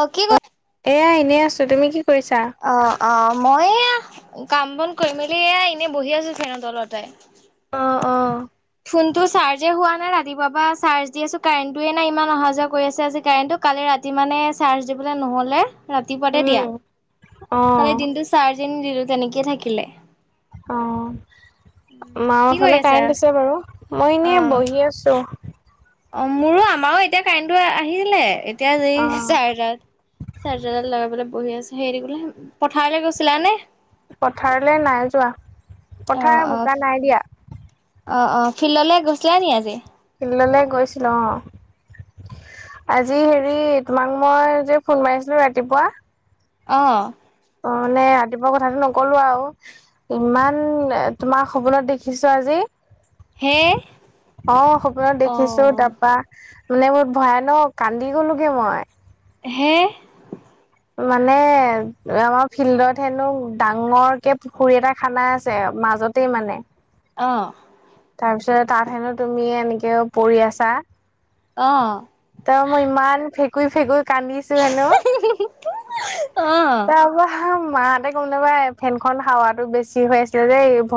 অ, কি কৰি এয়া এনেই আছো তুমি কি কৰিছা? অ', অ', মই কাম বন কৰি মেলি এ এনে বহি আছো ফেনৰ তলতে। অ', অ', ফোন টো চাৰ্জে হোৱা নাই ৰাতিপুৱা চাৰ্জ দি আছো কাৰেণ্টটোয়ে নাই ইমান অহা যোৱা কৰি আছে আজি কাৰেণ্টটো। কালি ৰাতি মানে চাৰ্জ দিবলে নহলে ৰাতিপুৱাতে উম, দিয়া। কালি অ', দ চাৰজে নিদিলো তেনেকেই থাকিলে। মাৰৰ কি কৰি ফালে আছা কাৰেণ্ট আছে বাৰু মই অ এনেই বহি আছো। অ, মোৰো আমাৰো এতিয়া কাৰেণ্টটো আহিলে এতিয়া এই অ'। চাৰজাৰাত চাৰ্জাৰডাল লগাবলৈ বহি আছে হেৰি বোলে পথাৰে গৈছিলা নে? পথাৰলৈ নাই যোৱা অ পথাৰ অ বোকা নাই দিয়া। অ', অ', ফিল্ডলৈ গৈছিলা নি আজি? ফিল্ডলে গৈছিলো অ, আজি হেৰি তোমাক মই যে ফোন মাৰিছিলো ৰাতিপুৱা। অ', অ, নে ৰাতিপুৱা কথাটো নকলো আৰু। ইমান তোমাৰ সপোনত দেখিছো আজি। হে অ, সপোনত অ দেখিছো তাৰপা মানে বহুত ভয়ানক কান্দি গ'লোগে মই। হে? মানে আমাৰ ফিল্ডত হেনো ডাঙৰ কে পুখুৰী এটা খানা আছে মাজত টে মানে অ', তাৰ পিছত তাত হেনো তুমি এনেকেও পৰি আছা। অ', তাৰ মই ইমান ফেকুৰি-ফেকুৰি কান্দিছো হেনো অ তাৰপৰা মাহতে ক'ম নাবা ফেনখন হাৱাটো বেছি হৈ আছিলে যেৰ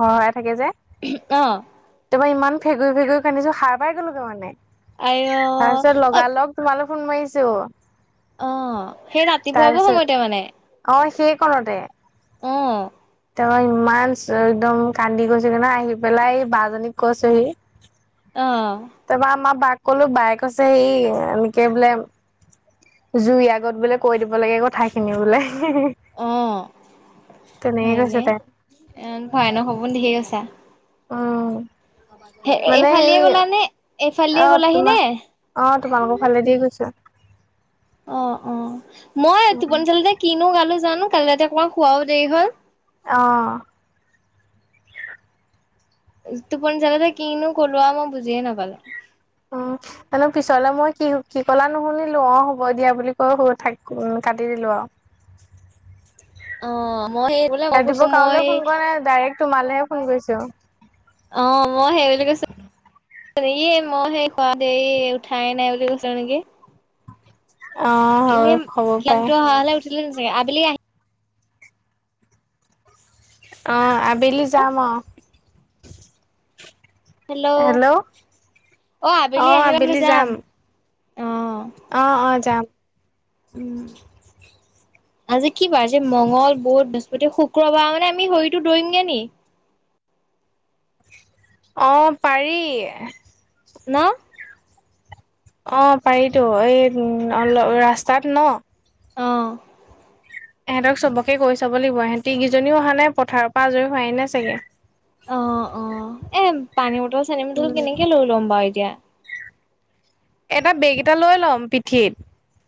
সহাই থাকে যে। অ ', তাৰপা ইমান ফেকুৰি - ফেকুৰি কান্দিছো সাৰ পাই গলো ত মানে আইঅ তাৰ পিছত অ লগা লগ তোমালে ফোন মাৰিছো। অ, সেই ৰাতিপুৱাবোৰ তাৰপিছত সময়তে মানে। অ, সেই কণতে। অ', তেও ইমান একদম কান্দি গৈছেগে না আহি পেলাই বজনীক কৈছোহি। অ', তাৰপৰা আমাৰ বাক কলো বাই কৈছে সেই এনেকে বোলে জুইৰ আগত বোলে কৈ দিব লাগে কথা খিনি বোলে। অ তেনেকে হয়নে কৈছে তাই। ভয়ানক সপোন দেখি গৈছা। উম মানে এইফালে সেই গলা নে অ এইফালিয়ে গলাহি তোমাৰ নে? অ, তোমালোকৰ ভালেদি গৈছে। অ' অ' মই উম টোপনি জালতে কিনো গালো জানো কালি ৰাতি অকমান শুৱাও দেৰি হ'ল অ', টোপনি জালতে কিনো ক'লো আউ মই বুজিয়ে নাপালে অ', অলপ পিছলে মই কি কি কলা নুশুনিলো অ' হ'ব দিয়া বুলি কৈ শুই থাক অ' কাটি দিলো আৰু অ মই সেই বোলে মই কৈছো ৰাতিপুৱা কালৈ মই ফোন কৰে? ডাইৰেক্ট তোমালৈহে ফোন কৰিছো। অ', অ', সেই বুলি কৈছো। ই মই সেই কোৱাতে এই উঠাই নাই বুলি কৈছিল নেকি? [unintelligible] অ হয় এনেই হ'ব পাৰে জ্ঞানটো অহা হলে উঠিলে চাগে আবেলি আহি অ', আবেলি যাম অ' হেল্ল' অ', আবেলি যাম অ অ', অ' যাম উম [inaudible] আজি কি বাৰ আজি মংগ, বুধ, বৃহস্পতি, শুক্ৰবাৰ মানে আমি হৰিটো দৌৰিমগে নি অ', পাৰি ন অ' পাৰিতো এই অ-ল- ৰাস্তাত ন অ', এহঁতক চবকে কৈ চাব লাগিব এহঁতিকেইজনীও অহা নাই পথাৰৰ পৰা আজৰি হোৱাই নাই চাগে অ' অ' এ পানী বটল চানী বটল উম, কেনেকে লৈ লম বাৰু এতিয়া এটা বেগ এটা লৈ ল'ম পিঠিত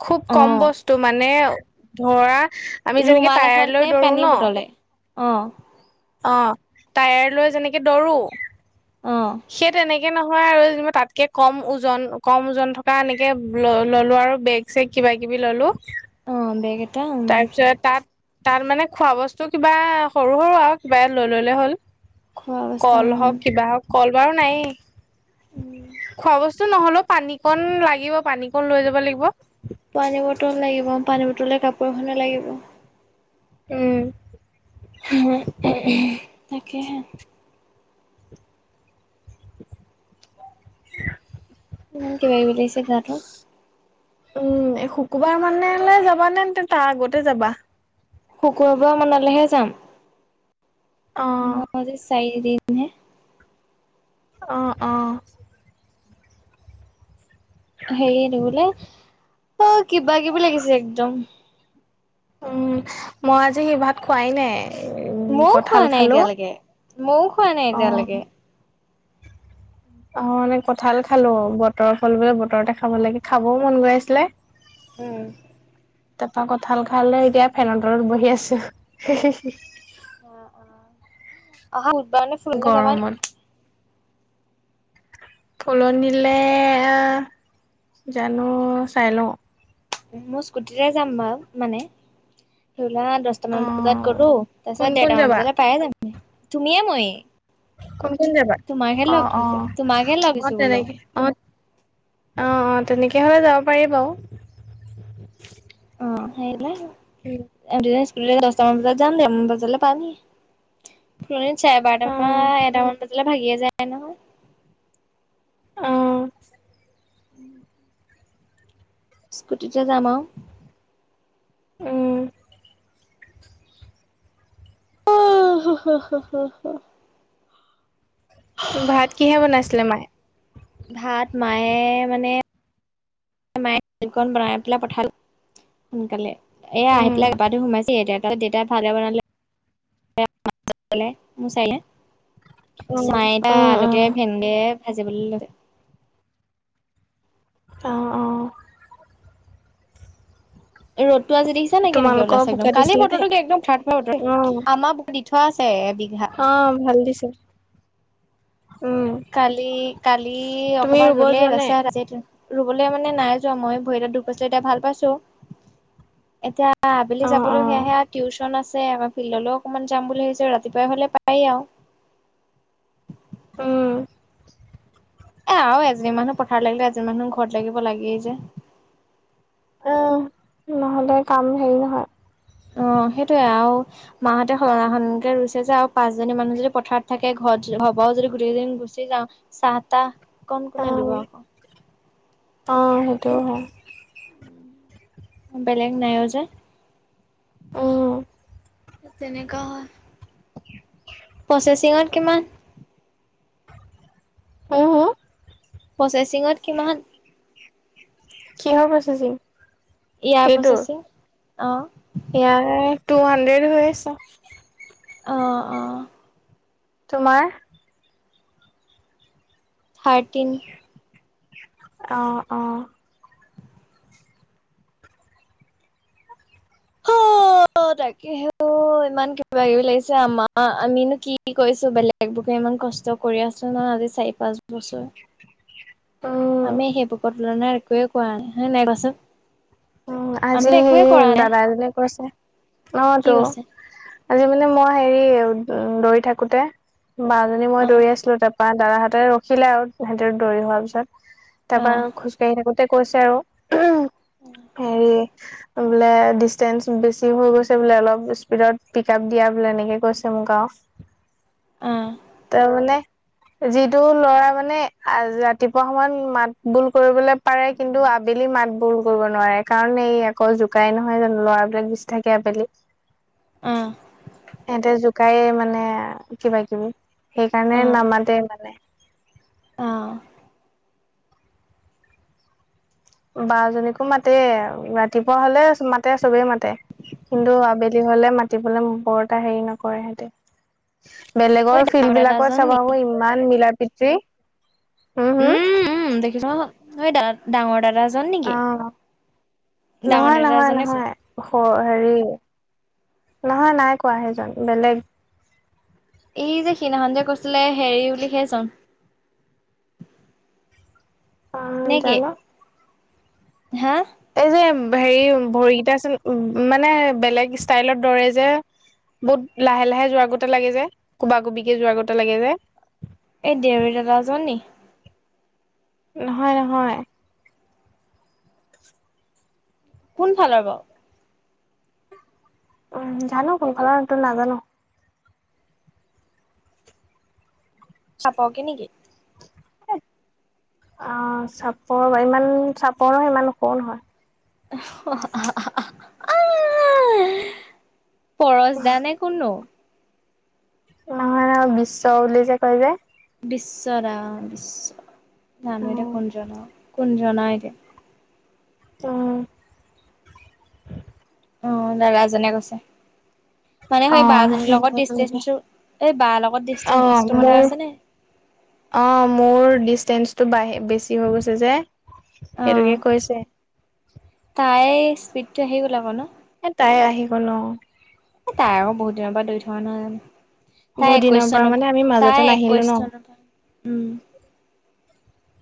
খুব অ কম বস্তু মানে ধৰা আমি যেনেকে ৰুমাল টায়াৰ এখন নে লৈ দৌৰো পানী ন বটলে অ', অ' টায়াৰ লৈ যেনেকে দৌৰো অ সেই তেনেকে নহয় -হয় আৰু যেনিবা তাতকে কম ওজন কম ওজন থকা এনেকে ল ল'লো আৰু বেগ ছেগ কিবা কিবি ললো অ', বেগ এটা উম তাৰপিছত তাত তাত মানে খোৱা বস্তু কিবা সৰু সৰু আৰু কিবা এ লৈ ললে হ'ল খোৱা বস্তু কল উম হওক কিবা হওক কল বাৰু নাই খোৱা বস্তু বস্তু নহ'লেও পানী কণ লাগিব পানী কণ লৈ যাব লাগিব পানী বটল লাগিব পানী বটলে কাপোৰ এখনে লাগিব উম [unintelligible] তাকেহে [unintelligible] ইমান কিবা কিবি লাগিছে গা টো উম শুকুৰবাৰ মানলে যাবা নে তাৰ আগতে যাবা শুক্ৰবাৰ মানলেহে যাম অ মোৰ চায়িদিন অ', অ' হেৰিয়ে নো বোলে অ' কিবা কিবি লাগিছে একদম উম মই আজি সি ভাত খোৱাই নাই উম মও কঁঠাল খোৱা নাই খালো এতিয়ালেকে মও খোৱা নাই অ এতিয়ালেকে অ' মানে কঁঠাল খালো বতৰৰ ফল বোলে বতৰতে খাব লাগে খাবও মন গৈ আছিলে উম তাপা কঠাল খালো এতিয়া ফেনৰ তলত বহি আছো অ', ফুৰিবলে যাবা নি গৰমত ফুলনিলে জানো চাই লওঁ মোৰ স্কুটিতে যাম বাৰু মানে ধৰিলোৱা দহটামান বজাত অঁ গলো তাৰ কোন পিছত কোন দেৰটামান যাবা বজালৈ পায়ে যামহি তুমিয়ে মই কোন কোন যাবা অ', ধৰিছো অ', তোমাকহে লগ অ' ধৰিছো বোলো তেনেকে অ' অ অ তেনেকে হলে যাব পাৰি বাও। [unintelligible] দচটা মান বজাত যাম দে ম বজালে পামহি চাৰে অঁ বাৰটামান এটামান বজালে ভাগিয়ে যায় নহয় উম। উম। স্কুটিতে জাম আও। উম। হুহ হুহ ভাত কিহে বনাইছিলে মায়ে। ভাত মায়ে মানে। মায়ে বনাই পেলাই পঠালো। সোনকালে এ আহি উম পেলাই গা ধুই সোমাইছে এতিয়া কালি দেউতাই ভালে বনালে। [unintelligible] উম উম উম সকে ভাজিবলৈ লৈ। অঁ অঁ ৰ'দটো আজি দেখিছা নে কেনেকে তোমালোকৰ ওলাইছে বোকা একদম কালিৰ দিছিলে নে বতৰটো একদম থাৰ ফাৰ বতৰ আমাৰ। দি থোৱা আছে এ বিঘা। অ ভাল দিছে। উম কালি কালি তুমি অকমান ৰুব ৰুলে যোৱা নাই তাৰপিছত [unintelligible] ৰুবলে মানে নাই যোৱা মই ভৰি এটাত দুখ পছো এতিয়া ভাল পাইছো এতিয়া আবেলি অঁ যাবলৈ অঁ সেয়াহে টিউশন আছে। ফিল্ডলৈও অকমান যাম বুলি ভাবিছো ৰাতিপুৱাই হ'লে পাৰি আৰু উম। এ আৰু এজনী মানুহ পথাৰ লাগিলে এজনী মানুহ ঘৰত লাগিব লাগেই যে। উ নহ'লে কাম হেৰি নহয়। অ সেইটোৱেই আৰু। মাহঁতে সলনা সলনিকে ৰুইছে যে আৰু পাঁচজনী মানুহ যদি পথাৰত থাকে ঘৰত ঘৰপাও যদি গোটেইদিন গুচি যাওঁ। চাহ তাহ কণ অ', কোনে দিব আকৌ। অ সেইটোও হয়। বেলেগ নাইও যে। উম, তেনেকুৱা হয়। প্ৰচেচিঙত কিমান। হম, হম, প্ৰচেচিঙত কিমান। কিহৰ প্ৰছেচিং। ইয়াৰ প্ৰচেচিং অঁ। ইয়াৰ টু হাণ্ড্ৰেড হৈ আছে। অঁ অঁ তোমাৰ। থাৰ্টিন। অ অ [inaudible] অ তাকেহে ইমান কিবা কিবি লাগিছে আমাৰ আমিনো কি কৰিছো বেলেগ। বেলেগ বুৰে ইমান কষ্ট কৰি আছো ন আজি চাৰি পাঁচ বছৰ। উম, আমি সেইবোৰৰ তুলনাত একোৱে কোৱা নাই হয় নাই কোৱাচোন। উম আজি আমিতো সেই একোৱে কৰা নাই দাদা এজনে কৈছে অ কি তো কৈছে আজি মানে মই হেৰি উ দৌৰি থাকোতে বাজনী মই অ দৌৰি আছিলো তাৰ। ত দাদাহঁতে ৰখিলে আৰু সিহতি দৌৰি হোৱাৰ পিছত তাৰ অ পৰা খোজকাঢ়ি থাকোতে। কৈছে আৰু হেৰি। বোলে ডিচষ্টেঞ্চ বেছি হৈ গৈছে বোলে অলপ স্পীডত পিক আপ দিয়া বোলে এনেকে কৈছে মোক আৰু। উম। তাৰ মানে যিটো ল'ৰা মানে ৰাতিপুৱা সময়ত মাত বোল কৰিবলে পাৰে কিন্তু আবেলি মাত বোল কৰিব নোৱাৰে কাৰণ এই আকৌ জোকাই নহয় জানো ল'ৰাবিলাক বেছি থাকে আবেলি। [inaudible] অ এহতে জোকায়ে মানে কিবা কিবি সেইকাৰণে অ নামাতে মানে। অ। বা জনীকো মাতে ৰাতিপুৱা হলে মাতে চবেই মাতে। কিন্তু আবেলি হ'লে মাতিবলে বৰ এটা হেৰি নকৰে সিহঁতে। ঐ বেলেগৰ ডাঙৰ ফিল্ড বিলাকত দাদাজন চাব নি আহো ইমান মিলা প্ৰীতি হম হম। উম উম দেখিছ সেই দাদা ডাঙৰ দাদাজন অ নেকি? ডাঙৰ নহয় নহয় দাদাজনে আছে। নহয় হেৰি নহয় নাই কোৱা সেইজন বেলেগ এই যে সিদিনাখন যে কৈছিলে হেৰি বুলিহে জন। অ নে কি জানো হা এই যে হেৰি ভৰিকেইটা মানে বেলেগ ষ্টাইলত দৰে যে বহুত লাহে লাহে যোৱাৰ গতে লাগে যে কোবা কোবিকে যোৱাৰ গতে লাগে যে। এই দেউৰী দাদাজন নি? নহয় নহয়। কোন ফালৰ বাও। জানো কোন ফালৰতো নাজানো। চাপকে নেকি? অ চাপৰ ইমান চাপৰ নহয় ইমান সৰু নহয়। [unintelligible] পৰশ দানে কোন নো নহয় নহয় বিশ্ব বুলি যে কয় যে। বিশ্ব দা বিশ্ব নামে এতিয়া উম কুঞ্জন কুনজনা এতিয়া অ। অ দাদাজনে কৈছে। মানে অ সেই বা জনীৰ সেই লগত তেনেকে ডিচেঞ্চটো এই বা লগত অ ডিচেঞ্চ টো কথা মোৰ কৈছে নে অ মোৰ ডিচষ্টেঞ্চটো বাঢ়ি বেছি হৈ গৈছে যে অ সেইটোকে কৈছে। তাই স্পীডটো সেই ওলাব ন। এ তাই আহি গ'ল অ। এ তাই আৰু বহুত দিনৰ পৰা দৰি থকা নহয় জানোঁ। তাই বহুত দিনৰ একৈশ পৰা চনৰ মানে আমি মাজতে তাই নাহিলো ন একৈশ চনৰ পৰা উম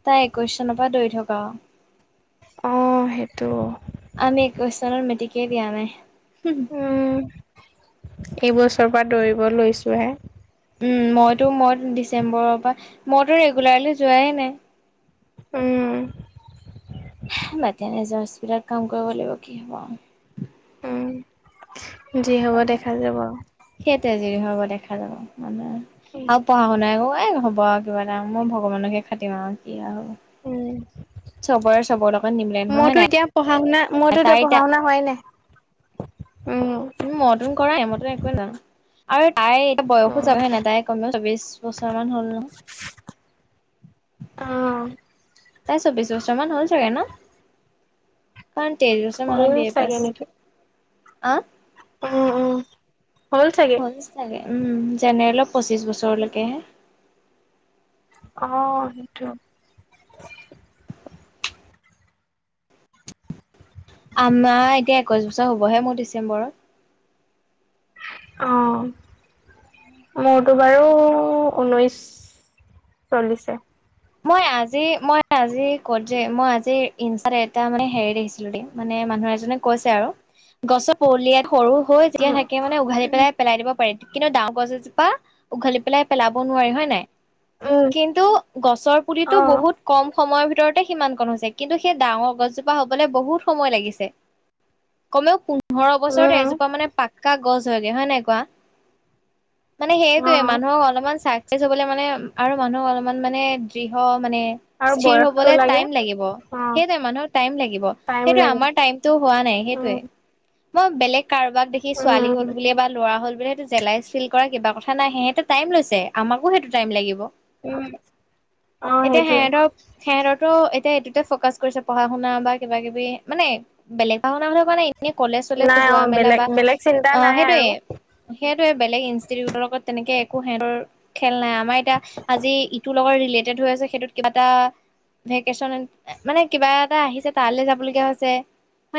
তাই একৈশ চনৰ পৰা দৌৰি থকা অ অ সেইটো আমি একৈশ চনৰ মেট্টিকে দিয়া নাই। উম এইবছৰৰ পৰা দৌৰিব লৈছো হে। উম মইতো মই ডিচেম্বৰৰ পৰা মইতো ৰেগুলাৰলি যোৱাই নাই। উম। হা বাতিয়ানা যোৱা স্পীডত কাম কৰিব লাগিব কি হ'ব আও। উম, যি হ'ব দেখা যাব। সেই তেজিৰি হব দেখা যাব মানুহে আৰু পঢ়া শুনাই ক এই হ'ব কিবা এটা মই ভগৱানকহে খাতিম আৰু কি আৰু উম। চবৰে চবৰ লগত নিমিলে নহয় হয় মইতো এতিয়া পঢ়া শুনা - মইতো নাই তাই এতিয়া পঢ়া শুনা হোৱা নাই। উম, উম, মতুন কৰাই মইতো একোৱে নাজানো আৰু তাই এতিয়া বয়সো উম যাবহে নাই তাই কম [unintelligible] চবিশ বছৰমান হ'ল ন। [inaudible] অ তাই চৌব্ববিশ বছৰ মান হ'ল চাগে ন। কাৰণ তেইছ বছৰ মানুহৰ বি হ'ল এ পাছ চাগে নেকি আ উম উম হল চাগ- উম, জেনেৰেলত পচিছ বছৰলৈকেহে। অ, সেইটো আমাৰ এতিয়া একৈশ বছৰ হ'বহে মোৰ ডিচেম্বৰত। অ', মোৰতো বাৰু ঊনৈছ চলিছে। মই আজি-মই আজি ক'ত যে মই আজি ইনষ্টাত এটা মানে হেৰি দেখিছিলো দেই মানে মানুহ এজনে কৈছে আৰু গছৰ পলিয়াত সৰু হৈ যে উম থাকে মানে উঘালি পেলাই পেলাই দিব পাৰি। কিন্তু ডাঙৰ গছ এজোপা উঘালি পেলাই পেলাব নোৱাৰি হয় নাই উম কিন্তু গছৰ পুলিটো অ বহুত কম সময়ৰ ভিতৰতে সিমান কন হৈছে কিন্তু সেই ডাঙৰ গছজোপা হবলৈ বহুত সময় লাগিছে। কমেও পোন্ধৰ বছৰত উম এজোপা মানে পাক্কা গছ হয়গৈ হয় নাই কোৱা? মানে অ সেইটোয়ে মানুহক অলপমান চাকচেচ হ'বলে মানে আৰু মানুহক অলপমান মানে দৃহ মানে আৰু স্থিৰ বয়সটো হবলৈ লাগে টাইম লাগিব। অ', সেইটোৱে মানুহক টাইম লাগিব টাইম সেইটোৱে লাগে আমাৰ টাইমতটো হোৱা নাই উম, সেইটোৱে। মই বেলেগ কাৰোবাক দেখি উম, ছোৱালী হ'ল বুলিয়ে বা ল'ৰা হ'ল বুলিয়েটো তেলায় চিল কৰা কিবা কথা নাই সহেতু টাইম লৈছে আমাকো সেইটো টাইম লাগিব। উম, অ', এতিয়া সেইটোয়ে সিহতক সেহতো এতিয়া এইটোতে ফকাচ কৰিছে পঢ়া শুনা বা কিবা কিবি মানে বেলেগ ভা শনা মানে এনেই কলেজলে নাই যোৱা অ', মেলা বেলেগ বা বেলেগ চিন্তা অ, নাই আৰু। সেইটোয়ে। সেইয়টো বেলেগ ইনষ্টিটিউটৰ লগত তেনেকে একো সিহতৰ খেল নাই আমাৰ এতিয়া আজি তোৰ লগত ৰিলেটেড হৈ আছে সেইটোত কিবা এটা ভেকেচন মানে কিবা এটা আহিছে তালৈ যাবলগীয়া হৈছে।